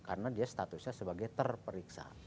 karena dia statusnya sebagai terperiksa